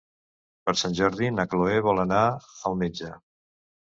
Per Sant Jordi na Chloé vol anar al metge.